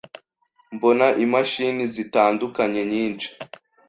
mbona imashini zitandukanye nyinshi